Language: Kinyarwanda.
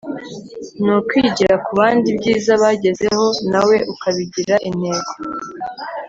ni ukwigira ku bandi ibyiza bagezeho nawe ukabigira intego